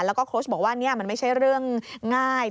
แล้วก็โค้ชบอกว่านี่มันไม่ใช่เรื่องง่าย